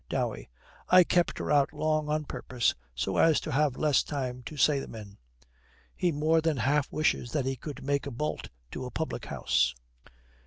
DOWEY. 'I kept her out long on purpose so as to have less time to say them in.' He more than half wishes that he could make a bolt to a public house.